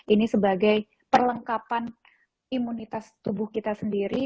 ini sebagai perlengkapan imunitas tubuh kita sendiri